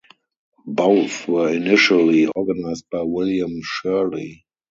Both were initially organized by William Shirley.